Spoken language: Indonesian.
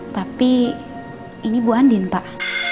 tapi ini bu andin pak